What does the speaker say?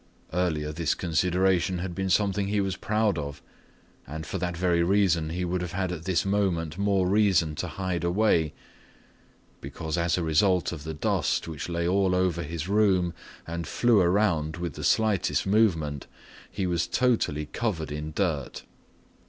Earlier this consideration had been something he was proud of. And for that very reason he would have had at this moment more reason to hide away, because as a result of the dust which lay all over his room and flew around with the slightest movement, he was totally covered in dirt.